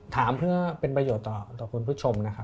ถามเพื่อเป็นประโยชน์ต่องุคผู้ชม